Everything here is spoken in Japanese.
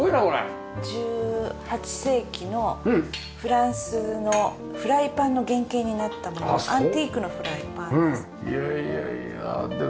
１８世紀のフランスのフライパンの原型になったものでアンティークのフライパンです。